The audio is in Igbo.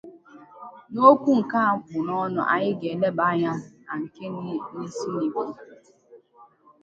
N'okwu nke a kpụ n'ọnụ, anyị ga-eleba anya na nke na-esi n'ikuku.